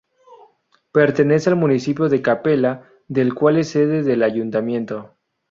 Pertenece al municipio de Capela, del cual es sede del Ayuntamiento.